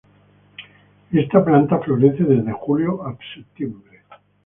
Esta planta florece desde julio a septiembre.